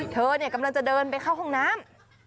เธอกำลังจะเดินไปเข้าห้องน้ำ